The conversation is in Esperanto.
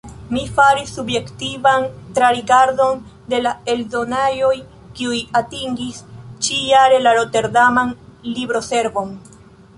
Mi faris subjektivan trarigardon de la eldonaĵoj kiuj atingis ĉi-jare la roterdaman libroservon.